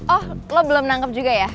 oh lo belum nangkep juga ya